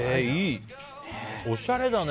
おしゃれだね。